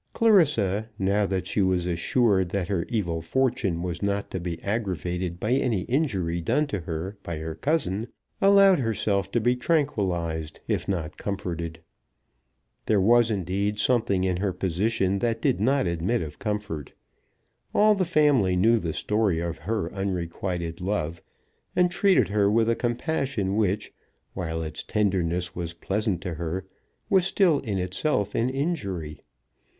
Clarissa, now that she was assured that her evil fortune was not to be aggravated by any injury done to her by her cousin, allowed herself to be tranquillised if not comforted. There was indeed something in her position that did not admit of comfort. All the family knew the story of her unrequited love, and treated her with a compassion which, while its tenderness was pleasant to her, was still in itself an injury.